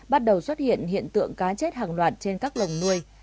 bắt đầu xuất hiện hiện tượng cá chết hàng loạt trên các lồng nuôi